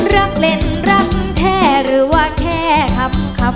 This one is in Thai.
รักเล่นรักแท้หรือว่าแท้ครับครับ